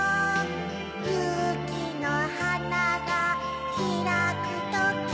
ゆうきのはながひらくとき